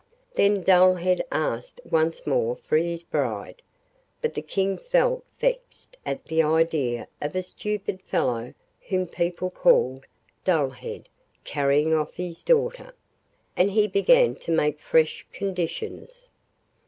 Then Dullhead asked once more for his bride, but the King felt vexed at the idea of a stupid fellow whom people called 'Dullhead' carrying off his daughter, and he began to make fresh conditions.